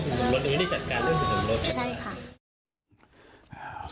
คือคุณเป็นสิทธิรถหรือได้จัดการเข้าสิทธิรถ